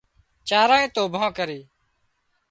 چارانئي توڀان ڪرِي